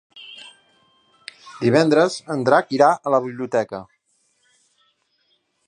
Divendres en Drac irà a la biblioteca.